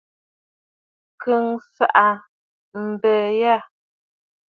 Kɔɔ nsaŋabɛ̀ɛ yâ.